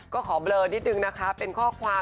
ก็ขอเบลอนิดนึงนะคะเป็นข้อความ